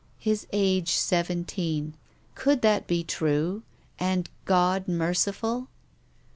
"His age seven teen." Could that be true and God merciful